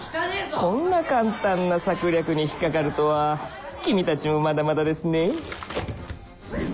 こんな簡単な策略に引っかかるとは君たちもまだまだですねえ